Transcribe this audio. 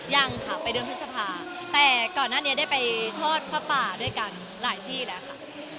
ยังค่ะไปเดือนพฤษภาแต่ก่อนหน้านี้ได้ไปทอดผ้าป่าด้วยกันหลายที่แล้วค่ะ